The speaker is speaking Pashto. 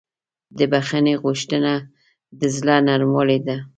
د بښنې غوښتنه د زړه نرموالی ده.